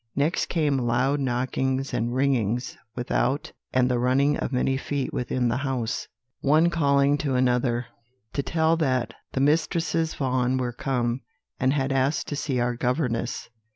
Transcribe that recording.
"Next came loud knockings and ringings without, and the running of many feet within the house, one calling to another, to tell that the Mistresses Vaughan were come, and had asked to see our governess.